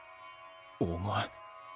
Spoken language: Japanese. お前。